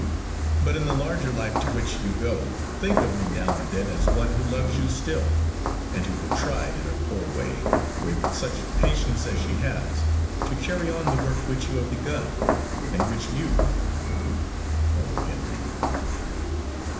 But in the larger life to which you go, think of me now and then as one who loves you still, and who will try, in her poor way, with such patience as she has, to carry on the work which you have begun, and which you Oh, Henry!"